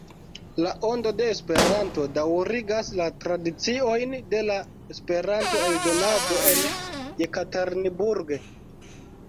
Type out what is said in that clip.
La Ondo de Esperanto daŭrigas la tradiciojn de la esperanto-eldonado en Jekaterinburg.